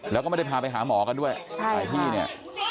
แล้วก็ไม่ได้พาไปหาหมอกันด้วยหลายที่เนี่ย